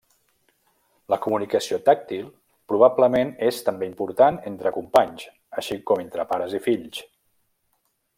La comunicació tàctil probablement és també important entre companys, així com entre pares i fills.